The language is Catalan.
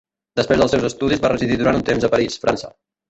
Després dels seus estudis va residir durant un temps a París, França.